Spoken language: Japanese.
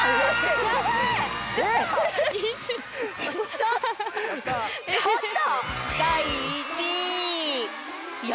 ちょっちょっと！